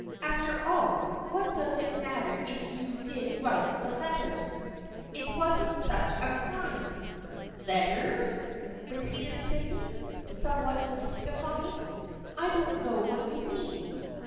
After all, what does it matter if you did write the letters. It wasn't such a crime." " Letters ?" repeated Sydney, somewhat mysti fied. " I don't know what you mean."